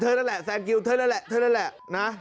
เธอแหละแฟนกิลเธอแหละ